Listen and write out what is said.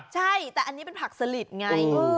ใช่แต่อันนี้เป็นผักสลิดไง